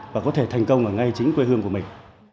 và có thể thành công ở ngay chính quê hương của mình